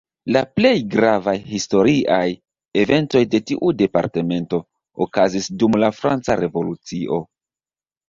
La plej gravaj historiaj eventoj de tiu departemento okazis dum la franca Revolucio.